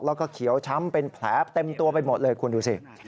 แล้วก็เขียวช้ำเป็นแผลเต็มตัวไปหมดเลยคุณดูสิ